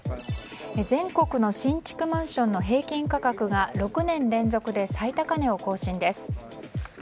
全国の新築マンションの平均価格が６年連続で最高値を更新です。